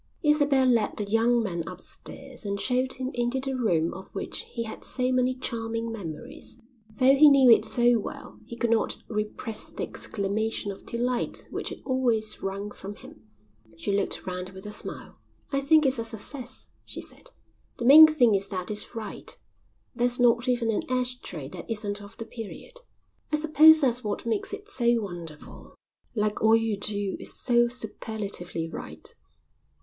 Isabel led the young man upstairs and showed him into the room of which he had so many charming memories. Though he knew it so well he could not repress the exclamation of delight which it always wrung from him. She looked round with a smile. "I think it's a success," she said. "The main thing is that it's right. There's not even an ashtray that isn't of the period." "I suppose that's what makes it so wonderful. Like all you do it's so superlatively right."